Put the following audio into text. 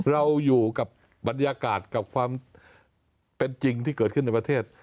เราอยู่กับบรรยากาศกับความเป็นจริงที่เกิดขึ้นในประเทศ